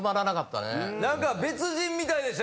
何か。